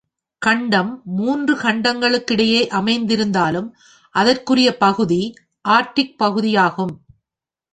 கண்டம் மூன்று கண்டங்களுக்கிடையே அமைந்திருந் தாலும், இதற்குரிய பகுதி ஆர்க்டிக் பகுதி யாகும்.